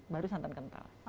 baru santan kental